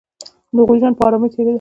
د هغوی ژوند په آرامۍ تېرېده